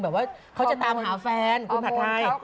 ว่าเขาจะตามหาแฟนคุณผัดไทย